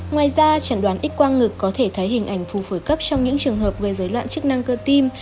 ngoài ra trần đoán ít quang ngực có thể thấy hình ảnh phù phổi cấp trong những trường hợp về dối loạn chức năng cơ tim